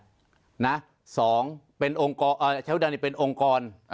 ๒ชายชุดดำนี้เป็นองค์กร